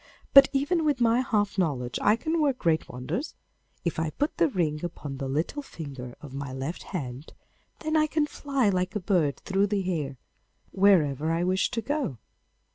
But even with my half knowledge I can work great wonders. If I put the ring upon the little finger of my left hand, then I can fly like a bird through the air wherever I wish to go.